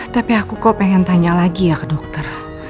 tapi aku kok pengen tanya lagi ya ke dokter